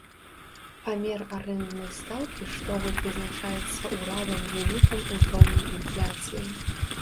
Памер арэнднай стаўкі штогод вызначаецца ўрадам з улікам узроўню інфляцыі.